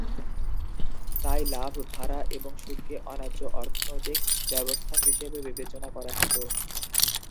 তাই, লাভ, ভাড়া এবং সুদকে অন্যায্য অর্থনৈতিক ব্যবস্থা হিসেবে বিবেচনা করা হতো।